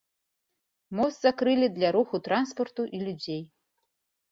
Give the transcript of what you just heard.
Мост закрылі для руху транспарту і людзей.